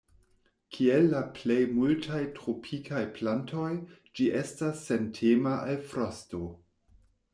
Kiel la plej multaj tropikaj plantoj, ĝi estas sentema al frosto.